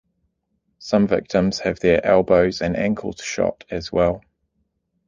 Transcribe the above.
Some victims have their elbows and ankles shot as well.